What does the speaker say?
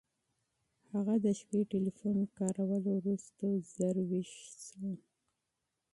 هغه د شپې ټیلیفون کارولو وروسته ژر ویښ شو.